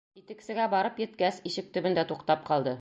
Итексегә барып еткәс, ишек төбөндә туҡтап ҡалды.